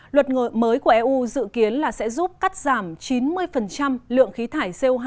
luật mới của eu dự kiến là sẽ giúp cắt giảm chín mươi lượng khí thải co hai